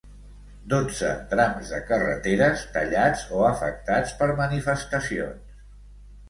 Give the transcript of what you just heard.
Dotze trams de carreteres tallats o afectats per manifestacions.